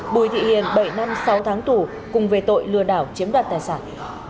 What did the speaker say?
bùi thị hiền bảy năm sáu tháng tù cùng về tội lừa đảo chiếm đoạt tài sản